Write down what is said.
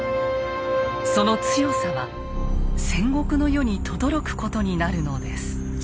その強さは戦国の世にとどろくことになるのです。